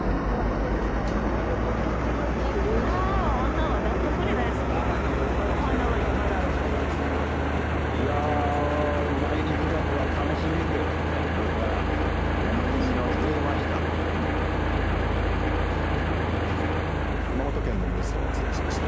これから楽しみが増えました。